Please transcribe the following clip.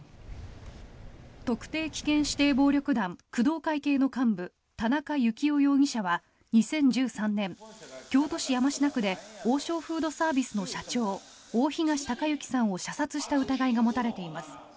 特定危険指定暴力団工藤会系の幹部、田中幸雄容疑者は２０１３年京都市山科区で王将フードサービスの社長大東隆行さんを射殺した疑いが持たれています。